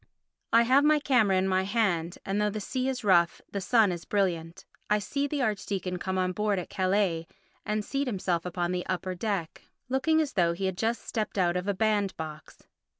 I have my camera in my hand and though the sea is rough the sun is brilliant. I see the archdeacon come on board at Calais and seat himself upon the upper deck, looking as though he had just stepped out of a band box.